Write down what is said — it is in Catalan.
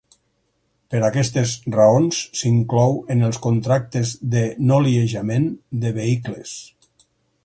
Per aquestes raons s'inclou en els contractes de noliejament de vehicles.